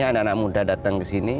anak anak muda datang ke sini